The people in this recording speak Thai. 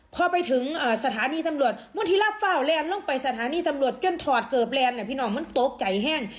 พอไปถึงสถานีตำรวจมันทีละเฝ้าแลนด์ลงไปสถานีตำรวจจนถอดเกิบแลนด์เนี่ยพี่น้องมันต๊อกใจแห้ง